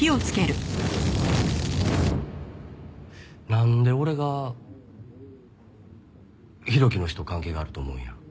なんで俺が浩喜の死と関係があると思うんや？